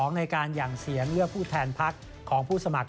ในการหยั่งเสียงเลือกผู้แทนพักของผู้สมัคร